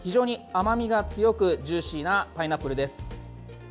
甘味が強くジューシーなパイナップルです。